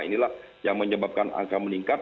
inilah yang menyebabkan angka meningkat